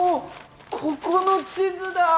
ここの地図だ！